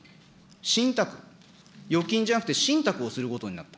信託、預金じゃなくて信託をすることになった。